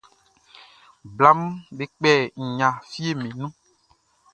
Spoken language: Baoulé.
Blaʼm be kpɛ nɲa fieʼm be nun.